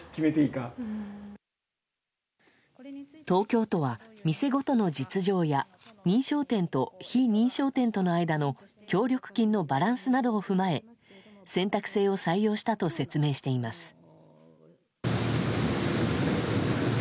東京都は、店ごとの実情や認証店と非認証店との間の協力金のバランスなどを踏まえ選択制を採用したと説明しています。